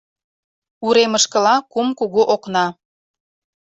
Уремышкыла кум кугу окна.